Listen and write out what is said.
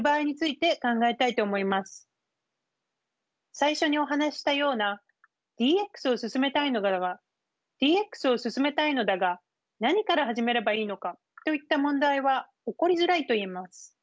最初にお話ししたような「ＤＸを進めたいのだが何から始めればいいのか？」といった問題は起こりづらいといえます。